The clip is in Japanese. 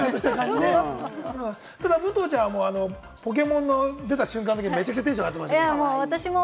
ただ武藤ちゃんは、ポケモンが出た瞬間だけ、めちゃくちゃテンション上がってましたけれども。